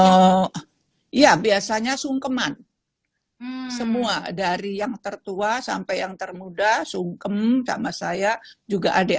oh iya biasanya sungkeman semua dari yang tertua sampai yang termuda sungkem sama saya juga adik